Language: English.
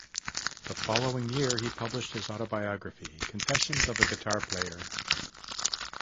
The following year he published his autobiography, "Confessions of a Guitar Player".